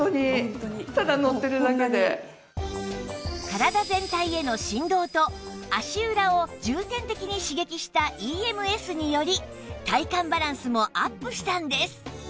体全体への振動と足裏を重点的に刺激した ＥＭＳ により体幹バランスもアップしたんです